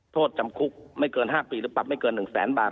โทษจำคุกไม่เกิน๕ปีหรือปรับไม่เกิน๑แสนบาท